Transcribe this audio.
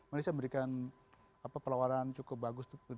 malaysia memberikan pelawaran cukup bagus